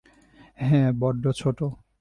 হ্যাঁ, বড্ড ছোট।